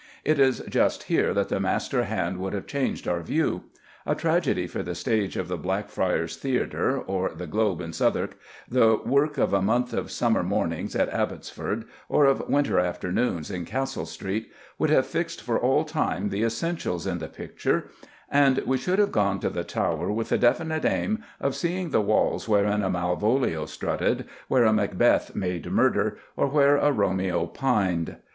It is just here that the master hand would have changed our view. A tragedy for the stage of the Blackfriars Theatre or the Globe in Southwark, the work of a month of summer mornings at Abbotsford, or of winter afternoons in Castle Street, would have fixed for all time the essentials in the picture, and we should have gone to the Tower with the definite aim of seeing the walls wherein a Malvolio strutted, where a Macbeth made murder, or where a Romeo pined.